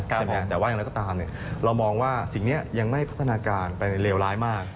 แต่ว่าอย่างไรก็ตามเรามองว่าสิ่งนี้ยังไม่พัฒนาการไปเลวร้ายมาก